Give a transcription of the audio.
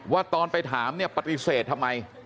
ว่าตอนไปถามเนี่ยปฏิเสธทำไม